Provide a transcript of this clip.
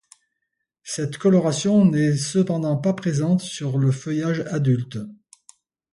Cette coloration n'est cependant pas présente sur le feuillage adulte.